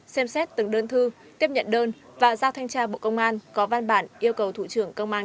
xem xét từng đơn thư tiếp nhận đơn và giao thanh tra bộ công an có văn bản yêu cầu thủ trưởng công an